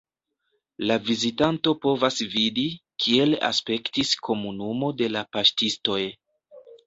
La vizitanto povas vidi, kiel aspektis komunumo de la paŝtistoj.